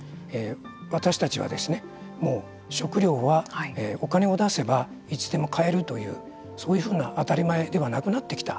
私たちはですね、もう食料はお金を出せばいつでも買えるというそういうふうな当たり前ではなくなってきた。